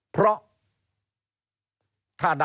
เพราะ